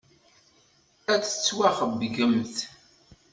Ad tettwaxeyybemt.